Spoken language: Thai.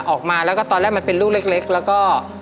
ออกมาแล้วก็ตอนแรกมันเป็นลูกเล็กแล้วก็